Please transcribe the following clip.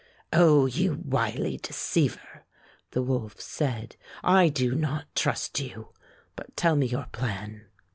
"O you wily deceiver!" the wolf said; "I do not trust you, but tell me your plan."